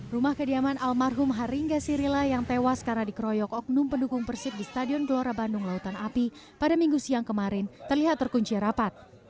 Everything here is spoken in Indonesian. rumah kediaman almarhum haringga sirila yang tewas karena dikeroyok oknum pendukung persib di stadion gelora bandung lautan api pada minggu siang kemarin terlihat terkunci rapat